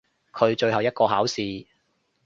佢最後一個考試！